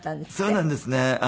そうなんですね。